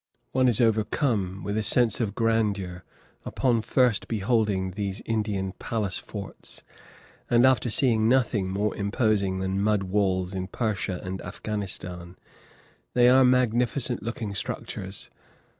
One is overcome with a sense of grandeur upon first beholding these Indian palace forts, after seeing nothing more imposing than mud walls in Persia and Afghanistan; they are magnificent looking structures.